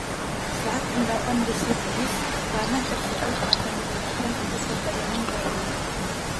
Saat endapan besi habis, tanah tersebut akan digunakan untuk perdagangan kayu.